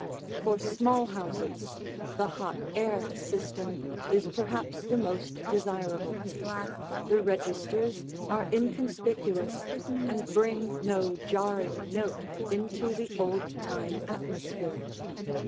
For small houses, the hot air system is perhaps the most desirable. The registers are inconspicuous and bring no jarring note into the old time atmosphere.